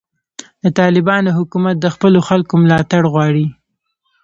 د طالبانو حکومت د خپلو خلکو ملاتړ غواړي.